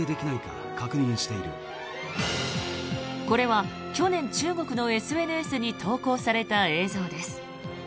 これは、去年中国のＳＮＳに投稿された映像です。